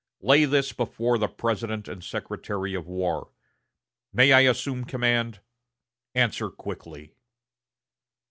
Lay this before the President and Secretary of War. May I assume the command? Answer quickly."